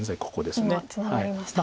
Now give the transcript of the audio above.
今ツナがりました。